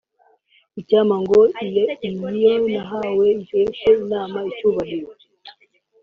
Icyampa ngo iyo nahawe iheshe Imana icyubahiro